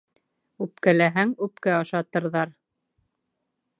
Үпкәләһәң, үпкә ашатырҙар.